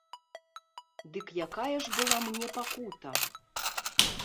Дык якая ж была мне пакута!